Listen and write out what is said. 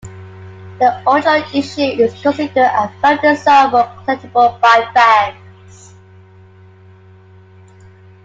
The original issue is considered a very desirable collectible by fans.